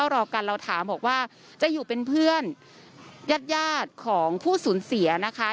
เราคงเป็นเพื่อนเยอะจาดของผู้สูญเสียนะคะ